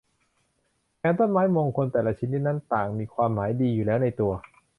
แถมต้นไม้มงคลแต่ละชนิดนั้นต่างมีความหมายดีอยู่แล้วในตัว